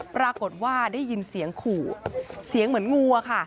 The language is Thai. ปรากฏว่าได้ยินเสียงขู่เสียงเหมือนงูอะค่ะ